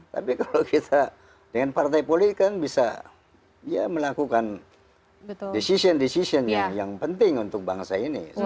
tapi kalau kita dengan partai politik kan bisa melakukan decision decision yang penting untuk bangsa ini